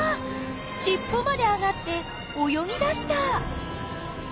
しっぽまで上がって泳ぎだした！